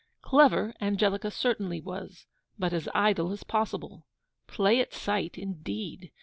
Clever Angelica certainly was, but as IDLE as POSSIBLE. Play at sight, indeed!